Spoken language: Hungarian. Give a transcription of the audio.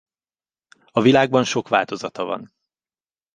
A világban sok változata van.